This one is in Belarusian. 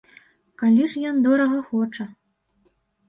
Калі ж ён дорага хоча.